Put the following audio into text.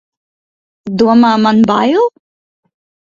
Domā, man bail!